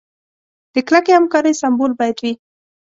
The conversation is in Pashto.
د کلکې همکارۍ سمبول باید وي.